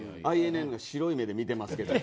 ＩＮＩが白い目で見てますけど。